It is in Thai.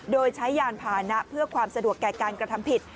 โดยใช้ยานพานะเพื่อความสะดวกแก่การกระทำผิด